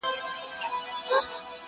یو احمد وو بل محمود وو سره ګران وه,